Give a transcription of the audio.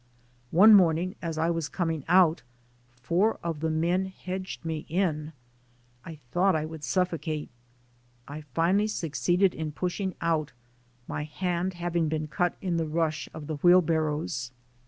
One morning as I was coming out, four of the men hedged me in. I thought I would suffocate. I finally succeeded in pushing out, my hand having been cut in the rush of the wheelbarrows.